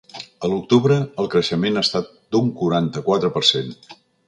A l’octubre, el creixement ha estat d’un quaranta-quatre per cent.